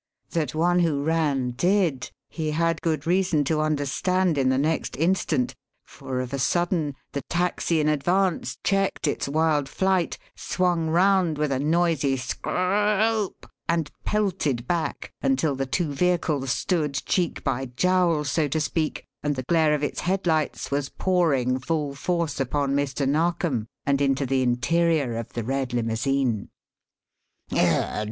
That one who ran did, he had good reason to understand in the next instant, for, of a sudden, the taxi in advance checked its wild flight, swung round with a noisy scroo op, and pelted back until the two vehicles stood cheek by jowl, so to speak, and the glare of its headlights was pouring full force upon Mr. Narkom and into the interior of the red limousine. "Here!